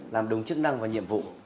làm đúng chức năng và nhiệm vụ